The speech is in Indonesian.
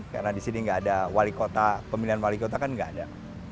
karena di sini gak ada pemilihan wali kota kan gak ada